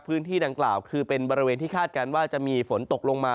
พื้นที่ดังกล่าวคือเป็นบริเวณที่คาดการณ์ว่าจะมีฝนตกลงมา